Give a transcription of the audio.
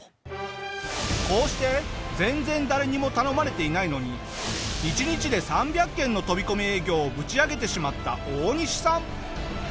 こうして全然誰にも頼まれていないのに１日で３００件の飛び込み営業をぶち上げてしまったオオニシさん。